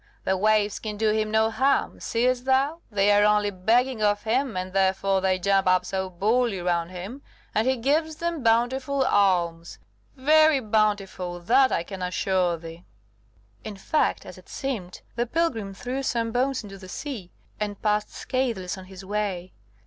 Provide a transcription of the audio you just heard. The waves can do him no harm. Seest thou? They are only begging of him, and therefore they jump up so boldly round him; and he gives them bountiful alms very bountiful, that I can assure thee." In fact, as it seemed, the pilgrim threw some bones into the sea, and passed scatheless on his way.